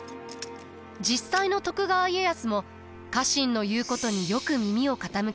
実際の徳川家康も家臣の言うことによく耳を傾けました。